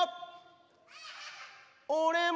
俺も。